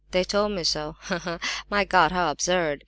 They told me so. Ha, ha! My God, how absurd!"